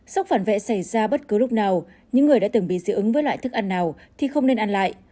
sốc phản vệ xảy ra bất cứ lúc nào những người đã từng bị dị ứng với loại thức ăn nào thì không nên ăn lại